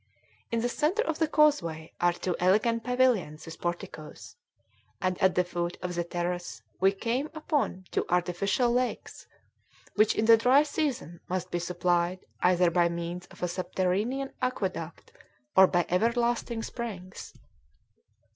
In the centre of the causeway are two elegant pavilions with porticos; and at the foot of the terrace we come upon two artificial lakes, which in the dry season must be supplied either by means of a subterranean aqueduct or by everlasting springs.